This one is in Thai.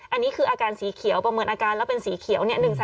อันนี้คืออาการสีเขียวประเมินอาการแล้วเป็นสีเขียว